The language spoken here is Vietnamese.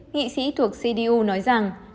nghị sĩ thuộc cdu nói rằng